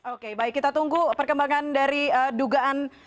oke baik kita tunggu perkembangan dari dugaan